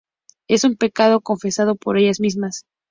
es un pecado confesado por ellas mismas